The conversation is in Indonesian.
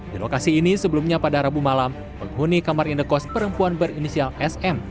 di lokasi ini sebelumnya pada rabu malam penghuni kamar indekos perempuan berinisial sm